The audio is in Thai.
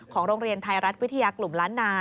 โรงเรียนไทยรัฐวิทยากลุ่มล้านนา